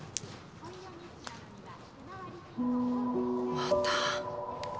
また。